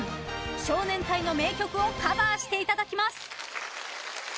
少年隊の名曲をカバーしていただきます。